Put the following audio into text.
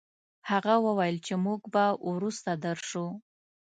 هغه وويل چې موږ به وروسته درشو.